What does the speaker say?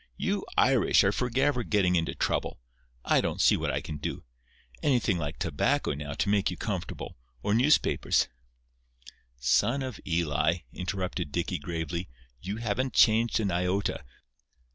You Irish are forever getting into trouble. I don't see what I can do. Anything like tobacco, now, to make you comfortable—or newspapers—" "Son of Eli," interrupted Dicky, gravely, "you haven't changed an iota.